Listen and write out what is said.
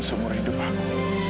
seumur hidup aku